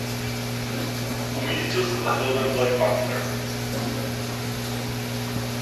Umístil se za filmem "Black Panther".